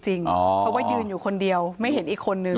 เพราะว่ายืนอยู่คนเดียวไม่เห็นอีกคนนึง